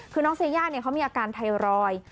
คือน้องเซย่าเขามีอาการไทรอยด์